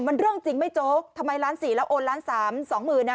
มันเรื่องจริงไม่โจ๊กทำไมล้านสี่แล้วโอนล้านสามสองหมื่นอ่ะ